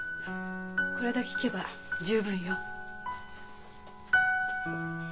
これだけ聞けば十分よ。